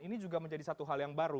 ini juga menjadi satu hal yang baru